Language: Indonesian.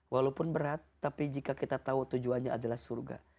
walaupun berat tapi jika kita tahu tujuannya adalah surga